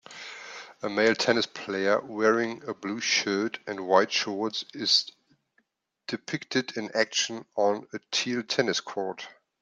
A male tennis player wearing a blue shirt and white shorts is depicted in action on a teal tennis court